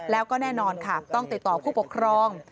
แล้วก็แน่นอนค่ะต้องติดต่อผู้ปกครอง